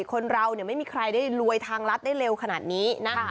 คนเราไม่มีใครได้รวยทางรัฐได้เร็วขนาดนี้นะ